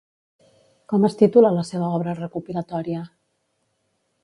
Com es titula la seva obra recopilatòria?